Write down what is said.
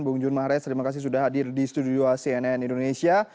bung jun mahrez terima kasih sudah hadir di studio cnn indonesia